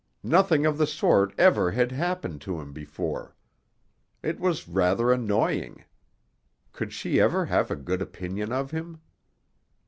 Nothing of the sort ever had happened to him before. It was rather annoying. Could she ever have a good opinion of him?